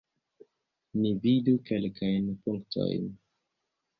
Ni vidu kelkajn punktojn.